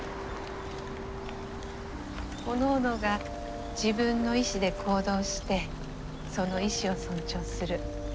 おのおのが自分の意志で行動してその意志を尊重する。